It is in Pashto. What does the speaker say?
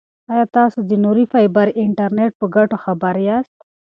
ایا تاسو د نوري فایبر انټرنیټ په ګټو خبر یاست؟